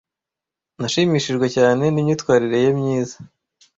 Nashimishijwe cyane nimyitwarire ye myiza.